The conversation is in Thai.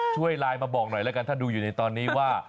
ช่วยไลน์มาบอกหน่อยแล้วกันถ้าดูอยู่ในตอนนี้ว่า